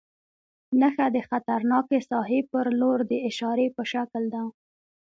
نښه د خطرناکې ساحې پر لور د اشارې په شکل ده.